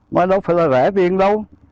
mà đâu phải là rẻ tiền đâu